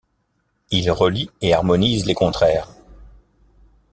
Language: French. Il relie et harmonise les contraires.